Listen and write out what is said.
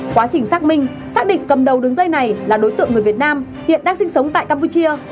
quá trình xác minh xác định cầm đầu đường dây này là đối tượng người việt nam hiện đang sinh sống tại campuchia